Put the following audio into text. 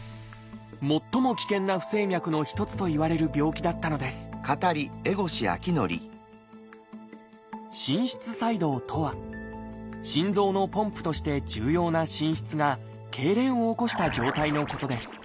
最も危険な不整脈の一つといわれる病気だったのです「心室細動」とは心臓のポンプとして重要な心室がけいれんを起こした状態のことです。